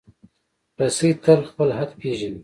رسۍ تل خپل حد پېژني.